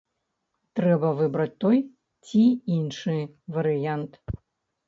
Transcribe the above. Трэба выбраць той ці іншы варыянт.